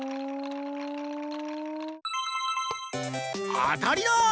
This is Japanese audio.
あたりだ！